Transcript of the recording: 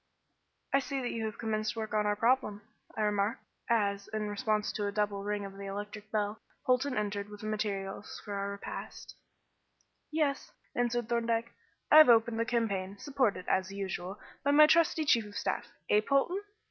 "I see you have commenced work on our problem," I remarked as, in response to a double ring of the electric bell, Polton entered with the materials for our repast. "Yes," answered Thorndyke. "I have opened the campaign, supported, as usual, by my trusty chief of staff; eh! Polton?"